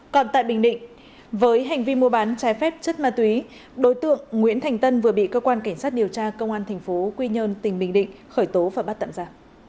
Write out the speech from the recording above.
còn tại bình định với hành vi mua bán trái phép chất ma túy đối tượng nguyễn thành tân vừa bị cơ quan cảnh sát điều tra công an thành phố quy nhơn tỉnh bình định khởi tố và bắt tận giả